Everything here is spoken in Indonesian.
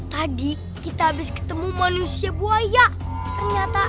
tadi kita lihat